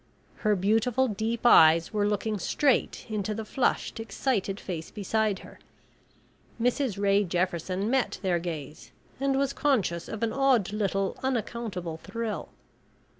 Her beautiful deep eyes were looking straight into the flushed excited face beside her. Mrs Ray Jefferson met their gaze, and was conscious of an odd little unaccountable thrill.